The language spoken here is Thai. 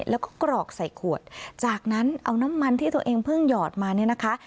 แล้วก็กรอกใส่ขวดจากนั้นเอาน้ำมันที่ตัวเองเพิ่งหยอดมาเนี่ยนะคะ